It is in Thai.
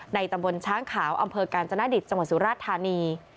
ตำบลช้างขาวอำเภอกาญจนดิตจังหวัดสุราชธานี